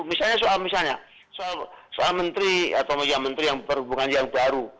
misalnya soal misalnya soal menteri atau menteri yang berhubungan yang baru